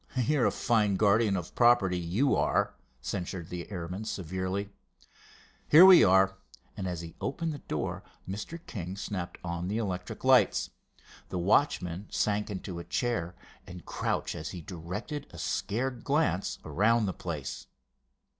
"You're a fine guardian of property, you are," censured the airman, severely. "Here we are," and as he opened the door, Mr. King snapped on the electric lights. The watchman sank to a chair and crouched as he directed a scared glance around the place.